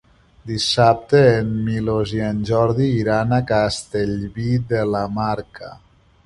Dissabte en Milos i en Jordi iran a Castellví de la Marca.